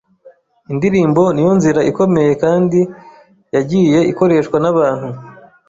Indirimbo niyo nzira ikomeye kandi yagiye ikoreshwa n’abantu